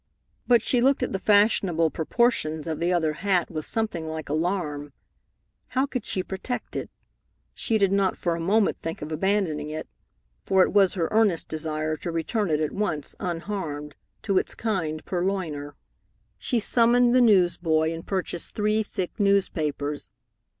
But she looked at the fashionable proportions of the other hat with something like alarm. How could she protect it? She did not for a moment think of abandoning it, for it was her earnest desire to return it at once, unharmed, to its kind purloiner. She summoned the newsboy and purchased three thick newspapers.